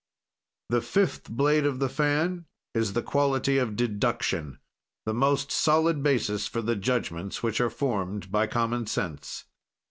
"The fifth blade of the fan is the quality of deduction the most solid basis for the judgments which are formed by common sense.